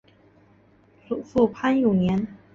祖父潘永年。